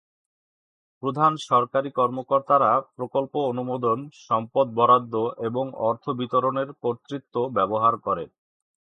প্রধান সরকারি কর্মকর্তারা প্রকল্প অনুমোদন, সম্পদ বরাদ্দ এবং অর্থ বিতরণের কর্তৃত্ব ব্যবহার করে।